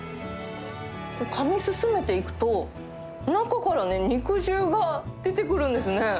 かみ進めていくと、中から肉汁が出てくるんですね。